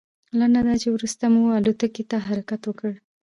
لنډه دا چې وروسته مو الوتکې ته حرکت وکړ.